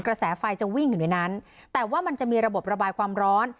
กระแสไฟจะวิ่งอยู่ในนั้นแต่ว่ามันจะมีระบบระบายความร้อน